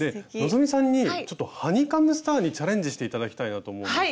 希さんにちょっとハニカムスターにチャレンジして頂きたいなと思うんですが。